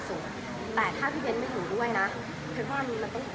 อะไรคุณวันเนี้ยเรามีความสุขล่ะแค่มี